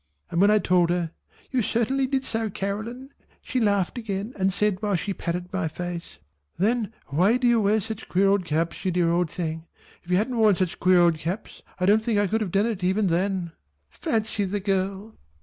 and when I told her "You certainly did so Caroline" she laughed again and said while she patted my face "Then why do you wear such queer old caps you dear old thing? if you hadn't worn such queer old caps I don't think I should have done it even then." Fancy the girl!